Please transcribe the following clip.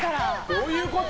どういうこと？